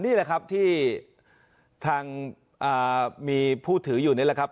นี่แหละครับที่ทางมีผู้ถืออยู่นี่แหละครับ